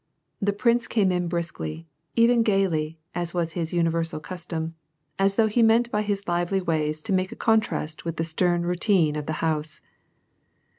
The prince came in briskly, even gayly, as was his universal custom, as though he meant by his lively ways to make a contrast with the stern routine of the house.